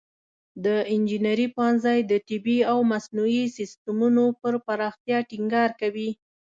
د انجینري پوهنځی د طبیعي او مصنوعي سیستمونو پر پراختیا ټینګار کوي.